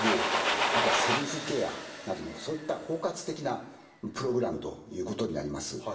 あとはセルフケアなどのそういった包括的なプログラムということになります。